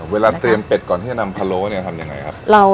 เวลาเตรียมเป็ดก่อนที่จะนำพะโล้เนี่ยทำยังไงครับ